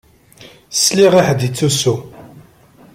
Sliɣ i ḥedd yettusu.